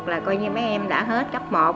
là coi như mấy em đã hết cấp một